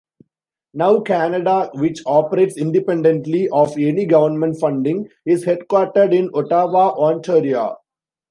Nav Canada, which operates independently of any government funding, is headquartered in Ottawa, Ontario.